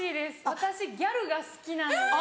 私ギャルが好きなので。